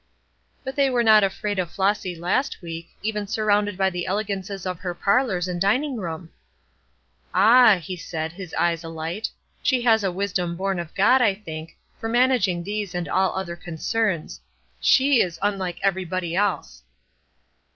"But they were not afraid of Flossy last week, even surrounded by the elegances of her parlors and dining room." "Ah!" he said, his eyes alight, "she has a wisdom born of God, I think, for managing these and all other concerns. She is unlike everybody else."